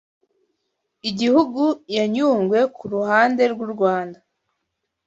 Igihugu ya Nyungwe ku ruhande rw’u Rwanda